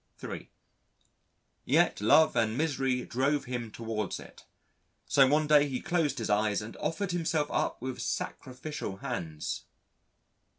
(3) Yet love and misery drove him towards it. So one day he closed his eyes and offered himself up with sacrificial hands....